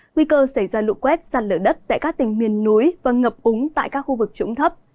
nguy cơ xảy ra lụ quét sạt lở đất tại các tỉnh miền núi và ngập úng tại các khu vực trũng thấp